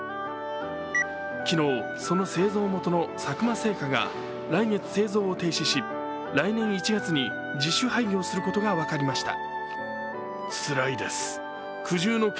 昨日、その製造元の佐久間製菓が来月、製造を停止し来年１月に自主廃業することが分かりました。